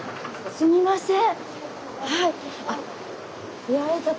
すみません。